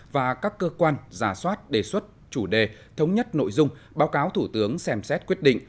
và các cơ quan giả soát đề xuất chủ đề thống nhất nội dung báo cáo thủ tướng xem xét quyết định